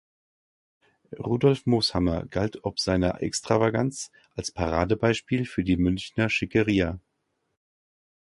Rudolph Moshammer galt ob seiner Extravaganz als Paradebeispiel für die Münchener Schickeria.